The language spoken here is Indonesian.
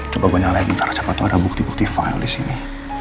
coba gue nyalain bentar coba tuh ada bukti bukti file disini